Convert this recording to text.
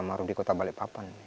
maruf di kota balikpapan